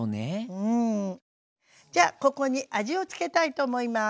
じゃここに味を付けたいと思います。